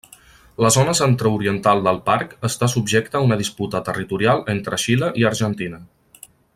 La zona centreoriental del parc està subjecta a una disputa territorial entre Xile i Argentina.